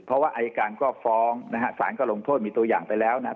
เพราะว่าอายการก็ฟ้องนะฮะสารก็ลงโทษมีตัวอย่างไปแล้วนะฮะ